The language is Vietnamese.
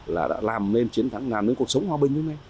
là đã làm nên cuộc sống hòa bình như thế này